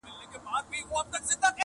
چيري ترخه بمبل چيري ټوکيږي سره ګلونه,